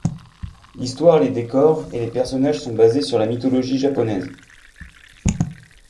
L'histoire, les décors et les personnages sont basés sur la mythologie japonaise.